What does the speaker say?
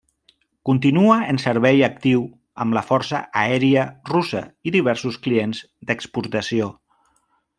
Continua en servei actiu amb la Força Aèria Russa i diversos clients d'exportació.